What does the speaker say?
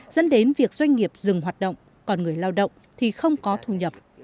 dẫn đến việc doanh nghiệp dừng hoạt động còn người lao động thì không có thu nhập